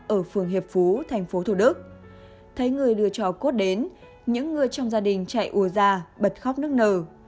ở phường hiệp phú tp thcm thấy người đưa trào cốt đến những người trong gia đình chạy ùa ra bật khóc nức nở